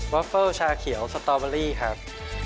อฟเฟิลชาเขียวสตอเบอรี่ครับ